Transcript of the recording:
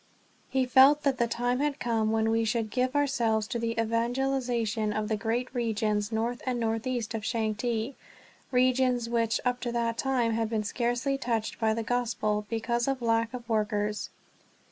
He felt that the time had come when we should give ourselves to the evangelization of the great regions north and northeast of Changte regions which up to that time had been scarcely touched by the Gospel, because of lack of workers.